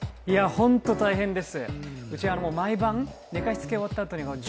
本当大変です。